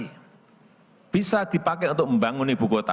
ini bisa dipakai untuk membangun ibu kota